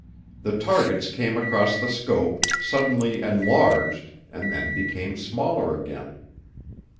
The targets came across the scope, suddenly enlarged, and then became smaller again.